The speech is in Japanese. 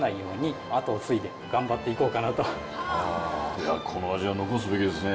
いやこの味は残すべきですね。